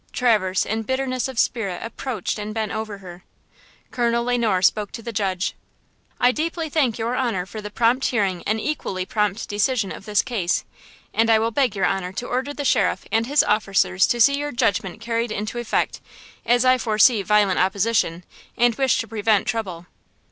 Traverse, in bitterness of spirit, approached and bent over her. Colonel Le Noir spoke to the judge. "I deeply thank your honor for the prompt hearing and equally prompt decision of this case, and I will beg your honor to order the Sheriff and his officers to see your judgment carried into effect, as I foresee violent opposition, and wish to prevent trouble."